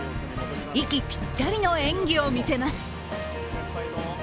息ぴったりの演技を見せます。